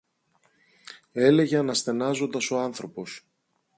έλεγε αναστενάζοντας ο άνθρωπος.